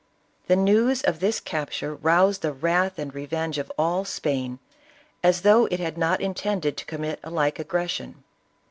The news of this capture, roused the wrath and re venge of all Spain, as though it had not intended to commit a like aggression.